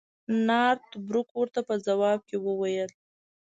نارت بروک ورته په ځواب کې وویل.